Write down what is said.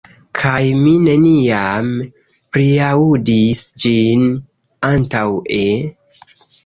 Kaj mi neniam priaŭdis ĝin antaŭe?"